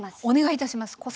お願いいたします。